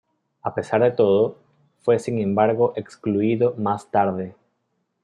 A pesar de todo, fue sin embargo excluido más tarde.